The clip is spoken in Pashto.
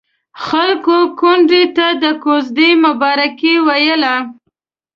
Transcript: خلکو کونډې ته د کوژدې مبارکي ويله.